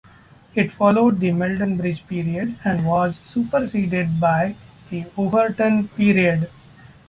It followed the Meldon Bridge Period and was superseded by the Overton Period.